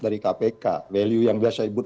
dari kpk value yang biasa disebut